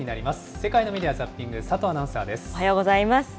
世界のメディア・ザッピング、佐おはようございます。